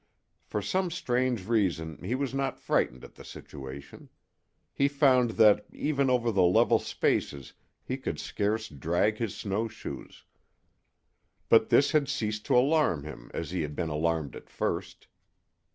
For some strange reason he was not frightened at the situation. He found that even over the level spaces he could scarce drag his snow shoes, but this had ceased to alarm him as he had been alarmed at first.